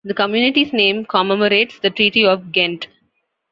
The community's name commemorates the Treaty of Ghent.